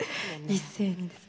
一斉にです。